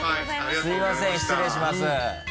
すみません失礼します。